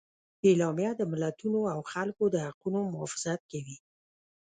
اعلامیه د ملتونو او خلکو د حقونو محافظت کوي.